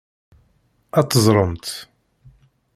Ad teẓremt.